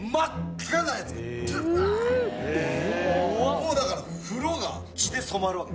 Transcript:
もうだから風呂が血で染まるわけ。